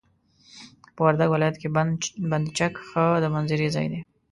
په وردګ ولايت کي بند چک ښه د منظرې ځاي دي.